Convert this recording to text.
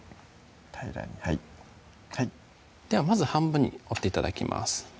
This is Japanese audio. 平らにはいではまず半分に折って頂きます